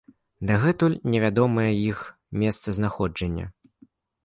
Дагэтуль невядомае іх месцазнаходжанне.